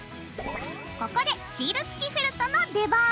ここでシール付きフェルトの出番。